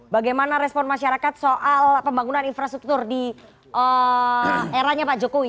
bagaimana respon masyarakat soal pembangunan infrastruktur di eranya pak jokowi